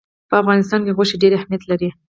په افغانستان کې غوښې ډېر اهمیت لري.